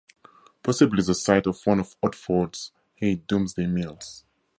Possibly the site of one of Otford's eight Domesday mills.